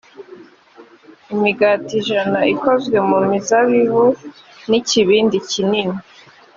imigati ijana ikozwe mu mizabibu n ikibindi kinini